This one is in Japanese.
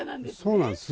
そうなんです。